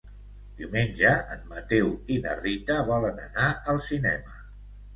Diumenge en Mateu i na Rita volen anar al cinema.